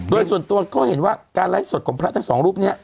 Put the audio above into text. โดยส่วนตัวเขาเห็นว่าการไลฟ์สดของพระทั้งสองรูปนี้